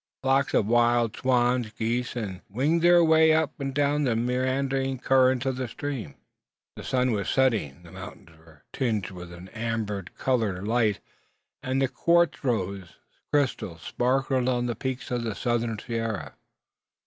Flocks of wild swans, geese, and gruyas winged their way up and down the meandering current of the stream. The sun was setting. The mountains were tinged with an amber coloured light; and the quartzose crystals sparkled on the peaks of the southern sierra.